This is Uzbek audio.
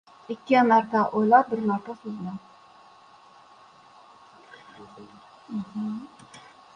• Ikki marta o‘ylab, bir marta so‘zla.